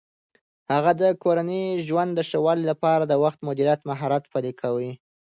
هغه د کورني ژوند د ښه والي لپاره د وخت مدیریت مهارت پلي کوي.